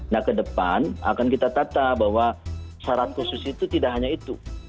nah ke depan akan kita tata bahwa syarat khusus itu tidak hanya itu